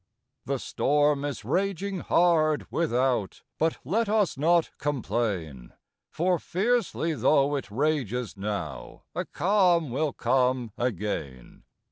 The storm is raging hard, without; But let us not complain, For fiercely tho' it rages now, A calm will come again.